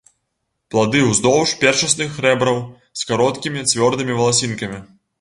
Плады ўздоўж першасных рэбраў з кароткімі цвёрдымі валасінкамі.